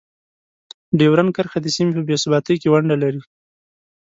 ډیورنډ کرښه د سیمې په بې ثباتۍ کې ونډه لري.